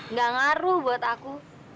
nggak ngaruh buat aku